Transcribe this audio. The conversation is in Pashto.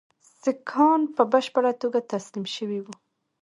سیکهان په بشپړه توګه تسلیم شوي وي.